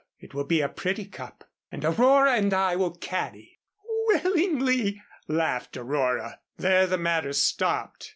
It will be a pretty cup and Aurora and I will caddy." "Willingly," laughed Aurora. There the matter stopped.